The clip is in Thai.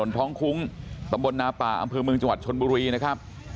ท้องคุ้งตำบลนาป่าอำเภอเมืองจังหวัดชนบุรีนะครับ